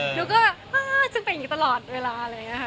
หนูก็จะเป็นอย่างงี้ตลอดเวลา